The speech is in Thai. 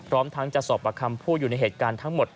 การทำพูดอยู่ในเหตุการณ์ทั้งหมด